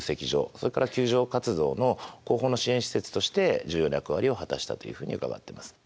それから救助活動の後方の支援施設として重要な役割を果たしたというふうに伺ってます。